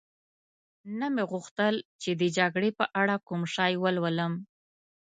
نه مې غوښتل چي د جګړې په اړه کوم شی ولولم.